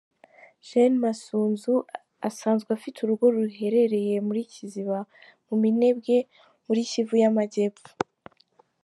Gen Masunzu asanzwe afite urugo ruherereye muri Kiziba, mu Minembwe, muri Kivu y’Amajyepfo.